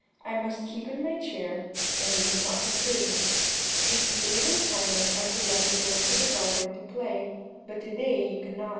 I must keep in my chair, and you must not disturb me. If the day was finer I should let you go into the garden to play, but to day you cannot.'